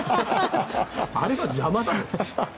あれは邪魔だろ。